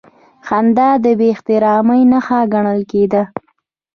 خندا د بېاحترامۍ نښه ګڼل کېده.